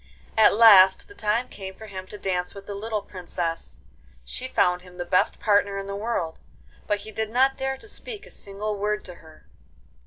At last the time came for him to dance with the little Princess. She found him the best partner in the world, but he did not dare to speak a single word to her.